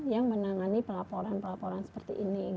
yang menangani pelaporan pelaporan seperti ini